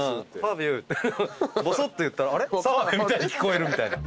ぼそっと言ったら澤部みたいに聞こえるみたいな。